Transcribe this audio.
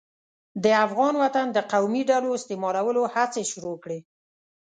د افغان وطن د قومي ډلو استعمالولو هڅې شروع کړې.